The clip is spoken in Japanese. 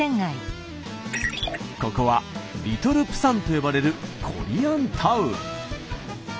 ここは「リトル釜山」と呼ばれるコリアンタウン。